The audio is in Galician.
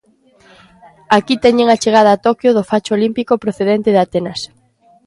Aquí teñen a chegada a Toquio do facho olímpico procedente de Atenas.